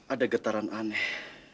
ada getaran aneh